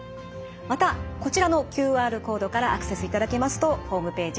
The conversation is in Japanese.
またこちらのＱＲコードからアクセスいただきますとホームページ